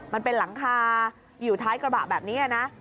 มันเป็นหลังคาอยู่ท้ายกระบะแบบนี้นะ